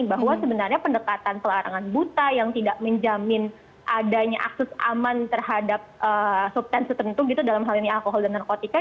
bahwa sebenarnya pendekatan pelarangan buta yang tidak menjamin adanya akses aman terhadap subtansi tertentu gitu dalam hal ini alkohol dan narkotika